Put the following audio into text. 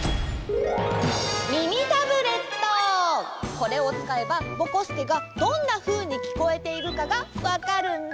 これをつかえばぼこすけがどんなふうにきこえているかがわかるんだ！